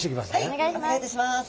はいお願いいたします。